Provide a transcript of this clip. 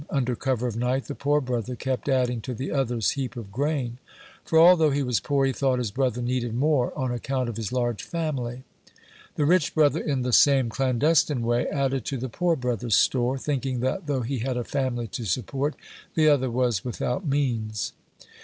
Under cover of night, the poor brother kept adding to the other's heap of grain, for, although he was poor, he thought his brother needed more on account of his large family. The rich brother, in the same clandestine way, added to the poor brother's store, thinking that though he had a family to support, the other was without means.